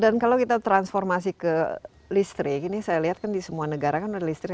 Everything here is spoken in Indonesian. dan kalau kita transformasi ke listrik ini saya lihat kan di semua negara kan ada listrik